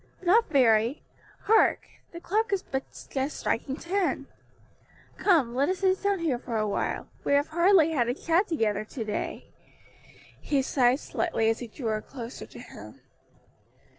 "Not very. Hark! the clock is but just striking ten. Come, let us sit down here for a little. We have hardly had a chat together to day." He sighed slightly as he drew her closer to him.